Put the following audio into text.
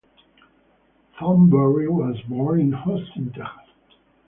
Thornberry was born in Austin, Texas.